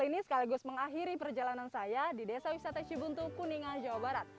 ini sekaligus mengakhiri perjalanan saya di desa wisata cibuntu kuningan jawa barat